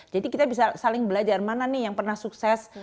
jadi kita bisa saling belajar mana nih yang pernah sukses